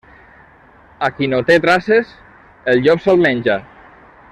A qui no té traces, el llop se'l menja.